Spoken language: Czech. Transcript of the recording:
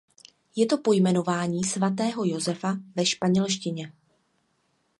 Je to pojmenování svatého Josefa ve španělštině.